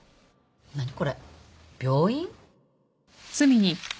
何これ？病院？